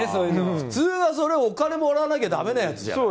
普通はそれお金をもらわないとだめなやつじゃん。